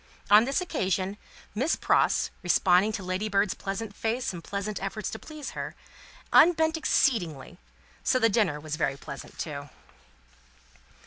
On this occasion, Miss Pross, responding to Ladybird's pleasant face and pleasant efforts to please her, unbent exceedingly; so the dinner was very pleasant, too.